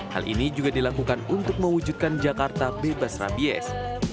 hal ini juga dilakukan untuk mewujudkan jakarta bebas rabies